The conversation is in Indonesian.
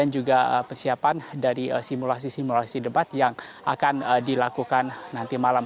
juga persiapan dari simulasi simulasi debat yang akan dilakukan nanti malam